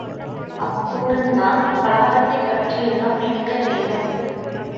அப்புறந்தான் பலகாரத்தைப் பற்றியெல்லாம் நினைக்க வேண்டும்.